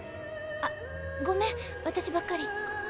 あっごめん私ばっかり。